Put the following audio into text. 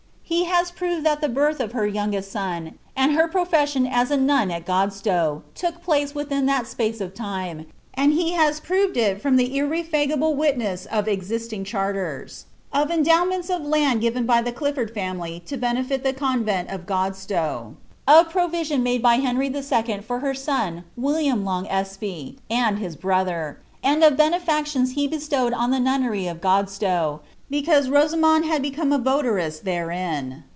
ihat tfas birth of her youngest son, and her profession as a nun at (joci now, look place wilhin that apace of time, and he haa proved it from At irrelrBpible witneas of existing charters, of endowments of Innda ^irea by the Clifford liimiiy to benehl the convent of Oodstow, of pro liion maile by Henry 11. for her son Willium Long Espee and hia bro thrr, and of benefactions he bestowed on the nunnery of Oodatow, btRuue Rotoinond had beeome a votaress therein.